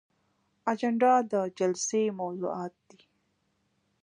اجنډا د جلسې موضوعات دي